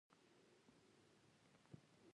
د تشریفاتي پروتوکول تابع نه وي.